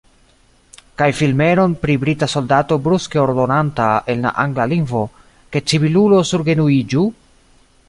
Kaj filmeron pri brita soldato bruske ordonanta en la angla lingvo, ke civilulo surgenuiĝu?